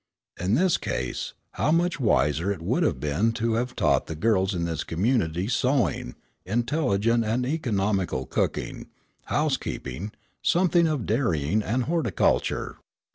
In this case, how much wiser it would have been to have taught the girls in this community sewing, intelligent and economical cooking, housekeeping, something of dairying and horticulture?